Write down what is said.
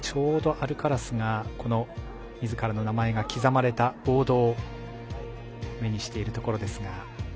アルカラスがみずからの名前が刻まれたボードを目にしているところです。